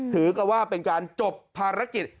ถือก็ว่าเป็นการจบภารกิจ